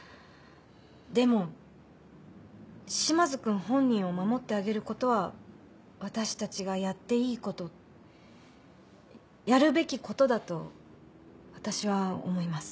でも島津君本人を守ってあげることは私たちがやっていいことやるべきことだと私は思います。